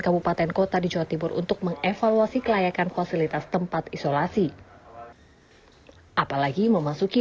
kabupaten kota di jawa timur untuk mengevaluasi kelayakan fasilitas tempat isolasi apalagi memasuki